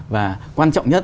và quan trọng nhất